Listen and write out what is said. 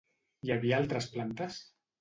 Hi havia altres plantes?